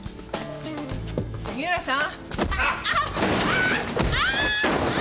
杉浦さん。